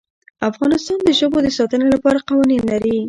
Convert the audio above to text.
افغانستان د ژبو د ساتنې لپاره قوانین لري.